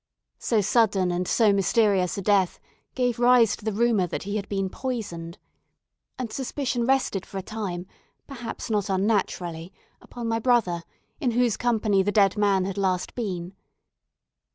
So sudden and so mysterious a death gave rise to the rumour that he had been poisoned, and suspicion rested for a time, perhaps not unnaturally, upon my brother, in whose company the dead man had last been.